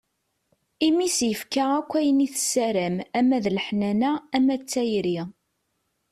Imi i s-yefka akk ayen i tessaram ama d leḥnana, ama d tayri.